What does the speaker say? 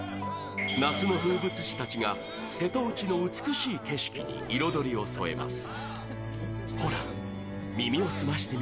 夏の風物詩たちが瀬戸内の美しい景色に彩りを添えます。